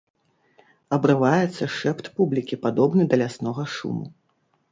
Абрываецца шэпт публікі, падобны да ляснога шуму.